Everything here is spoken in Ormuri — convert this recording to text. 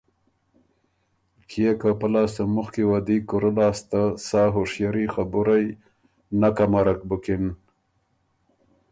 کيې که پۀ لاسته مخکی وه دی کُورۀ لاسته سا هُشئری خبُرئ نک امرک بُکِن۔